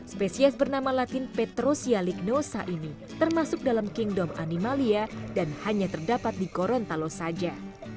spesies bernama latin petrosialignosa ini termasuk dalam kingdom animalia dan hanya terdapat di gorontalo saja